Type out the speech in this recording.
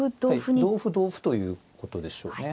同歩同歩ということでしょうね。